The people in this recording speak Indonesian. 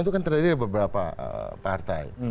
terdiri dari beberapa partai